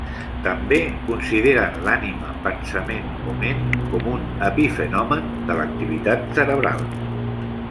També consideren l'ànima, pensament o ment com un epifenomen de l'activitat cerebral.